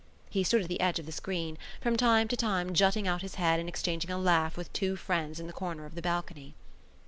He stood at the edge of the screen, from time to time jutting out his head and exchanging a laugh with two friends in the corner of the balcony.